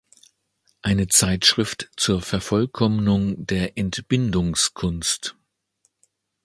Eine Zeitschrift zur Vervollkommnung der Entbindungs-Kunst.